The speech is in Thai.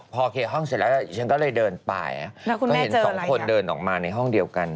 พอเคลียร์ห้องเสร็จแล้วฉันก็เลยเดินไปก็เห็นสองคนเดินออกมาในห้องเดียวกัน